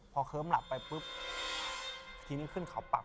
พอเคิ้มหลับไปปุ๊บทีนี้ขึ้นเขาปรับ